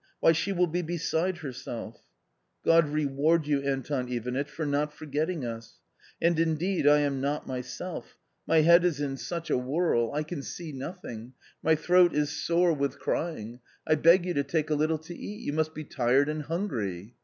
Why she will be beside herself !"" God reward you, Anton Ivanitch, for not forgetting us ! And, indeed, I am not myself; my head is in such a whirl. A COMMON STORY 19 I can see nothing ; my throat is sore with crying. I beg you to take a little to eat ; you must be tired and hungry."